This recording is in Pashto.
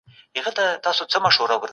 له تورې تیارې یې راویوست.